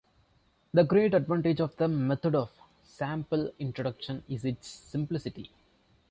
The great advantage of the method of sample introduction is its simplicity.